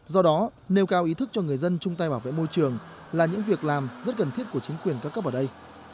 do đó nêu cao ý thức cho người dân chung tay bảo vệ môi trường là những việc làm rất cần thiết của chính quyền các cấp ở đây